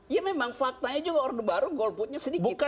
ya memang faktanya juga orde baru golputnya sedikit